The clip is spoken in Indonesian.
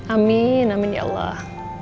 amin amin ya allah